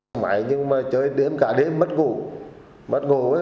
không phải nhưng mà chơi đếm cả đếm mất ngủ mất ngủ ấy